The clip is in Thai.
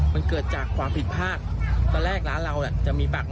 มันเกิดจากความผิดภาคตอนแรกร้านเราเอ่อจะมีปากหม้อ